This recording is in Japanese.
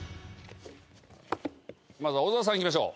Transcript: まずは小沢さんいきましょう。